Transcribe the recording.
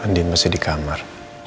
andien masih di kamar